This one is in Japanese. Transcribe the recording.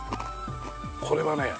これはね